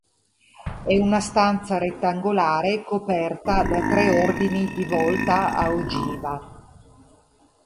È una stanza rettangolare coperta da tre ordini di volta a ogiva.